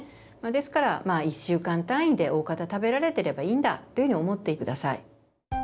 ですから１週間単位でおおかた食べられてればいいんだというふうに思って下さい。